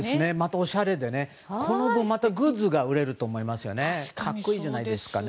これでまたグッズが売れると思いますよね。